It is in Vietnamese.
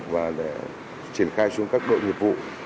và để triển khai xuống các đội nhiệm vụ